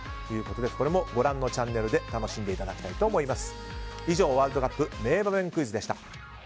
これもご覧のチャンネルで楽しんでいただきたいと思います。